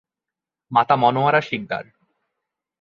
Mata Monowara Sikdar.